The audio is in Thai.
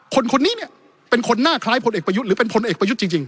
คนนี้เนี่ยเป็นคนหน้าคล้ายพลเอกประยุทธ์หรือเป็นพลเอกประยุทธ์จริง